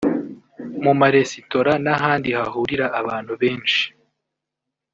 mu maresitora n’ahandi hahurira abantu benshi